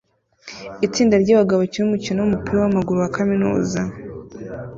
Itsinda ryabagabo bakina umukino wumupira wamaguru wa kaminuza